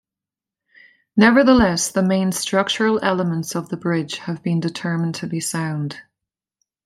Nevertheless, the main structural elements of the bridge have been determined to be sound.